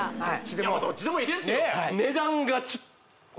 どっちでもいいですよ